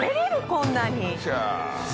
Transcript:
こんなに。